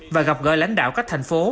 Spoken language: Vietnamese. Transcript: và gặp gỡ lãnh đạo các thành phố